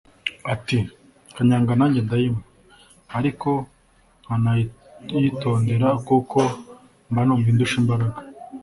Ati "Kanyanga nanjye ndayinywa ariko nkanayitondera kuko mba numva indusha imbaraga